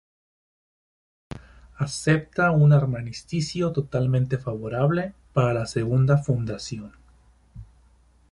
Acepta un armisticio totalmente favorable para la Segunda Fundación.